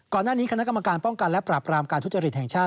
ก่อนหน้านี้คณะกรรมการป้องกันและปรับรามการทุจริตแห่งชาติ